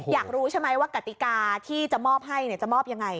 อยากรู้ใช่ไหมว่ากติกาที่จะมอบให้จะมอบยังไง